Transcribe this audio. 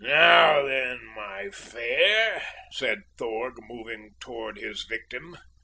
"Now then, my fair!" said Thorg, moving toward his victim.